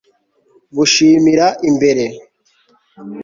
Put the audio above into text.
Gushimira imbere